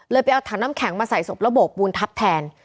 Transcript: ไปเอาถังน้ำแข็งมาใส่ศพระบบปูนทับแทน